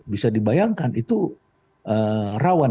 bisa dibayangkan itu rawan